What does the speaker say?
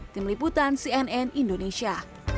tim liputan cnn indonesia